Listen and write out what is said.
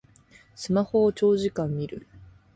スマホを長時間みる